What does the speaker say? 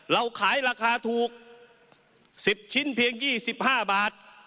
เราขายราคาถูก๑๐ชิ้นเพียง๒๕บาท